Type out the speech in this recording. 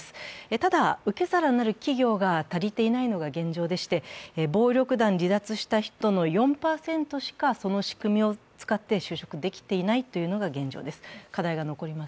ただ受け皿になる企業が足りていないのが現状でして暴力団を離脱した人の４％しかその仕組みを使って就職できていないというのが現状です。